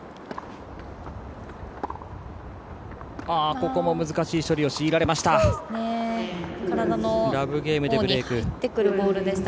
ここも難しい処理を強いられました。